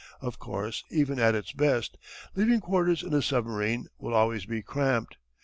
Of course, even at the best, living quarters in a submarine will always be cramped.